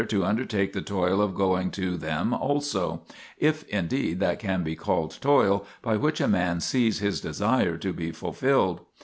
i. THE PILGRIMAGE OF ETHERIA 25 undertake the toil of going to them also, if indeed that can be called toil by which a man sees his desire to be fulfilled.